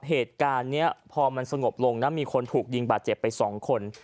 เหตุการณ์นี้พอมันสงบลงนะมีคนถูกยิงบาดเจ็บไป๒คน